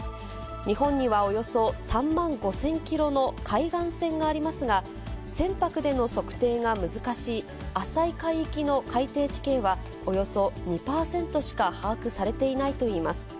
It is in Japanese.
日本にはおよそ３万５０００キロの海岸線がありますが、船舶での測定が難しい浅い海域の海底地形は、およそ２％しか把握されていないといいます。